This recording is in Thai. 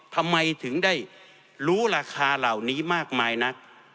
ทำไมถึงได้รู้ราคาเหล่านี้มากมายนัก